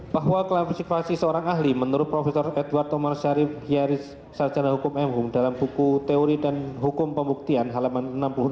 bahwa klarifikasi seorang ahli menurut prof edward tomar syarif hiaris sarjana hukum mhum dalam buku teori dan hukum pembuktian halaman enam puluh enam